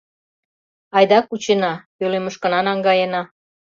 Айда кучена, пӧлемышкына наҥгаена.